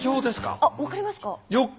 あっ分かりますか？